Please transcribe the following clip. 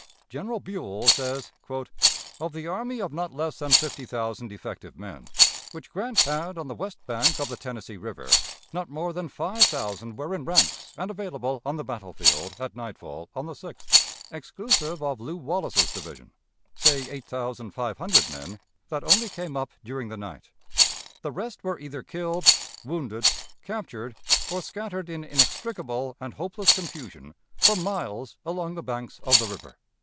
General Buell says: "Of the army of not less than fifty thousand effective men, which Grant had on the west bank of the Tennessee River, not more than five thousand were in ranks and available on the battlefield at nightfall on the 6th, exclusive of Lew Wallace's division, say eight thousand five hundred men that only came up during the night. The rest were either killed, wounded, captured, or scattered in inextricable and hopeless confusion for miles along the banks of the river."